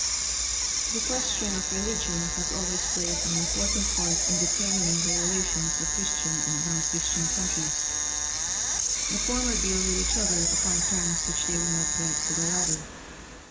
The question of religion has always 894 HARPER'S NEW MONTHLY MAGAZINE. played an important part in determining the relations of Christian and non Chris tian countries. The former deal with each other upon terms which they will not grant to the latter.